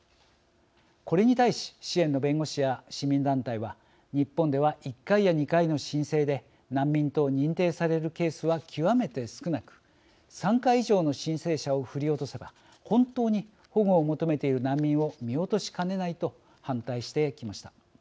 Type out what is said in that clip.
これに対し支援の弁護士や市民団体は日本では１回や２回の申請で難民と認定されるケースは極めて少なく３回以上の申請者を振り落とせば本当に保護を求めている難民を見落としかねないと反対してきました。